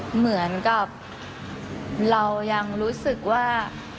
เหมือนกับเรายังรู้สึกว่า